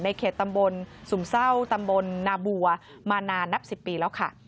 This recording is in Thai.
เขตตำบลสุ่มเศร้าตำบลนาบัวมานานนับ๑๐ปีแล้วค่ะ